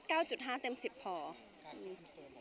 การคำเฟิร์มของเราในการกลับมาครั้งนี้